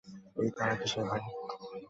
এই তাড়া কিসের, ভাই?